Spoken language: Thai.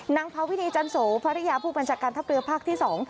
พาวินีจันโสภรรยาผู้บัญชาการทัพเรือภาคที่๒